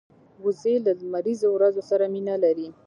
وزې له لمریز ورځو سره مینه لري